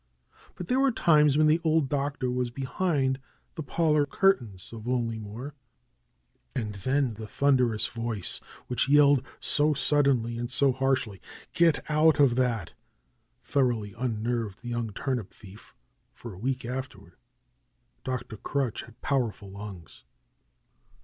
But there were times when the old Doctor was behind the parlor curtains of Lonelymoor, and then the thun derous voice, which yelled so suddenly and so harshly, ^Txet out of that!" thoroughly unnerved the young turnip thief for a week afterward. Dr. Crutch had powerful lungs.